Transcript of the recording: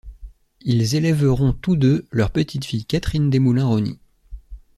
Ils élèveront tous deux leur petite-fille Catherine Desmoulins-Rosny.